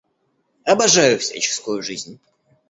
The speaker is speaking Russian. Обожаю всяческую жизнь!